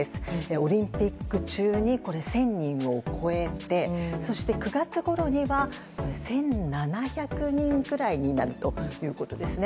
オリンピック中に１０００人を超えてそして、９月ごろには１７００人くらいになるということですね。